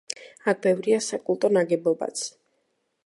აქ ბევრია საკულტო ნაგებობაც.